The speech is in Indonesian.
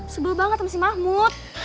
sebel banget sama si mahmud